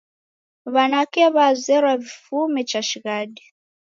W'anake w'azerwa w'ifume cha shighadi